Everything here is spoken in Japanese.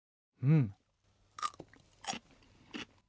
うん！